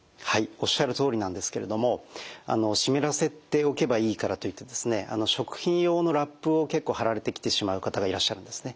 おっしゃるとおりなんですけれども湿らせておけばいいからといって食品用のラップを結構貼られてきてしまう方がいらっしゃるんですね。